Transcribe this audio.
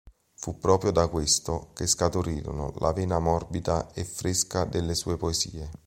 Fu proprio da questo che scaturirono la vena morbida e fresca delle sue poesie.